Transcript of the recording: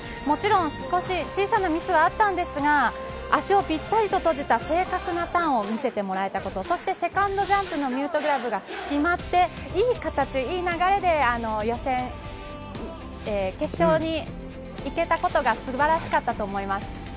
もちろん少し小さなミスはあったんですが足をぴったりと閉じた正確なターンを見せてもらえたことそして、セカンドジャンプのミュートグラブが決まっていい形、いい流れで決勝にいけたことが素晴らしかったと思います。